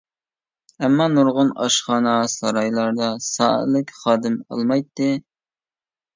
ئەمما نۇرغۇن ئاشخانا، سارايلاردا سائەتلىك خادىم ئالمايتتى.